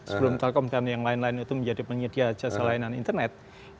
sebelum telkom dan yang lain lain itu menjadi penyedia jasa layanan internet